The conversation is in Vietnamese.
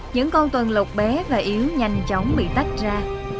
những con tuần lục bé và yếu nhanh chóng bị tách ra